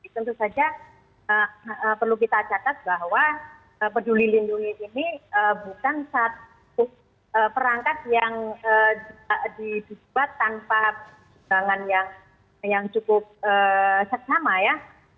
tentu saja perlu kita catat bahwa peduli lindungi ini bukan satu perangkat yang dibuat tanpa pertimbangan yang cukup seksama ya